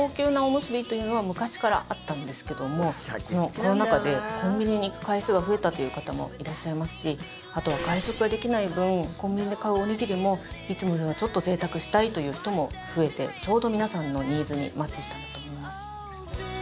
コロナ禍でコンビニに行く回数が増えたという方もいらっしゃいますしあとは外食ができない分コンビニで買うおにぎりもいつもよりは、ちょっとぜいたくしたいという人も増えてちょうど皆さんのニーズにマッチしたんだと思います。